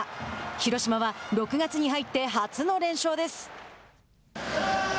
広島は６月に入って初の連勝です。